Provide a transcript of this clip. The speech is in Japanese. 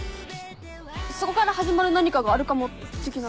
そこから始まる何かがあるかも的な。